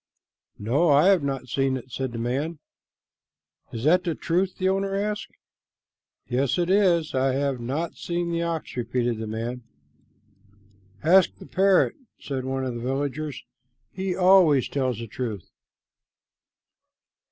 "No, I have not seen it," said the man. "Is that the truth?" the owner asked. "Yes, it is. I have not seen the ox," repeated the man. "Ask the parrot," said one of the villagers. "He always tells the truth."